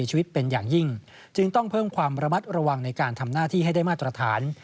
ชีวิตเป็นอย่างยิ่งจึงต้องเพิ่มความระมัดระวังในการทำหน้าที่ให้ได้มาตรฐาน